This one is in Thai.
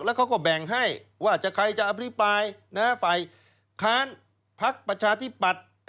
แล้วเขาก็แบ่งให้ว่าใครจะอภิปรายฝ่ายค้านพักประชาธิปัตย์